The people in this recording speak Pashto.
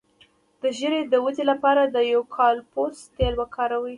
د ږیرې د ودې لپاره د یوکالیپټوس تېل وکاروئ